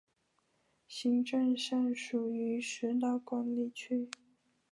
行政上属于石岛管理区。